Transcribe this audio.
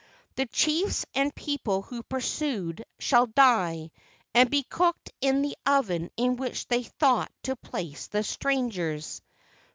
The chiefs and people who pursued shall die and be cooked in the oven in which they thought to place the strangers."